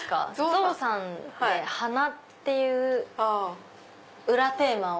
ゾウさんで鼻っていう裏テーマを。